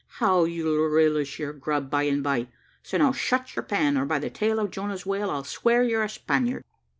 How you'll relish your grub by and by! So now shut your pan, or by the tail of Jonah's whale, I'll swear you're a Spaniard."